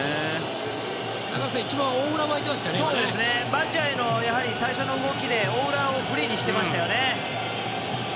バチュアイの最初の動きで大裏をフリーにしてましたよね。